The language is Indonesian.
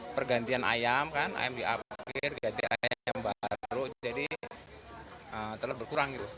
pergantian ayam kan ayam diapir pergantian ayam baru jadi telur berkurang